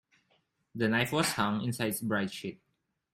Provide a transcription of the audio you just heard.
The knife was hung inside its bright sheath.